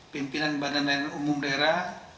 pimpinan badan umum daerah